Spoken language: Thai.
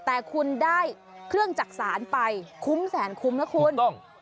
แต่คุณได้เครื่องจักษาไปคุ้มแสนคุ้มนะคุณ